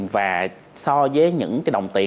và so với những đồng tiền